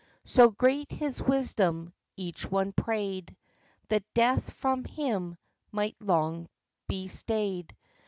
So great his wisdom, each one prayed That death from him might long be staid.